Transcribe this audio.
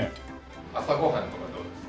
朝ご飯とかにどうです？